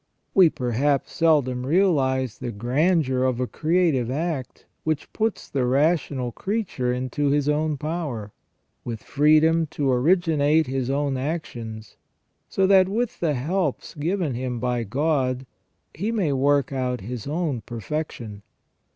We perhaps seldom realise the grandeur of a creative act which puts the rational creature into his own power, with freedom to originate his own actions, so that with the helps given him by God he may work out his own perfection.